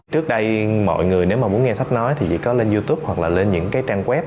trước đây mọi người nếu mà muốn nghe sách nói thì chỉ có lên youtube hoặc là lên những cái trang web